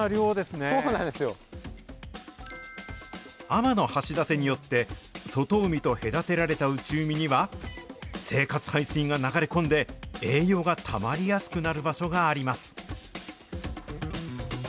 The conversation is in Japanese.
天橋立によって外海と隔てられた内海には、生活排水が流れ込んで、栄養がたまりやすくなる場所があります。